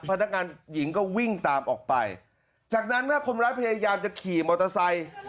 พนักงานหญิงก็วิ่งตามออกไปจากนั้นนะคนร้ายพยายามจะขี่มอเตอร์ไซค์